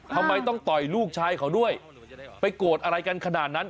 ทำไมต้องต่อยลูกชายเขาด้วยไปโกรธอะไรกันขนาดนั้น